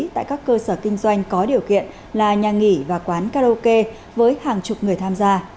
tại các cơ sở kinh doanh có điều kiện là nhà nghỉ và quán karaoke với hàng chục người tham gia